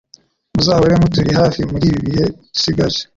muzahore muturi hafi buri bihe dusigaje.